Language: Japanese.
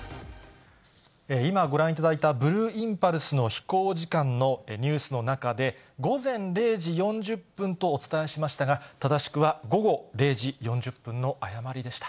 今ご覧いただいたブルーインパルスの飛行時間のニュースの中で、午前０時４０分とお伝えしましたが、正しくは午後０時４０分の誤りでした。